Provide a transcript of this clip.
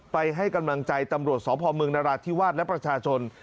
ไปให้กำลังใจตำรวจสพมนรทิวาสและประชาชน